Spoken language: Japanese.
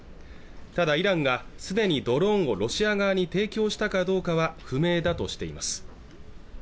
ただイランがすでにドローンをロシア側に提供したかどうかは不明だとしています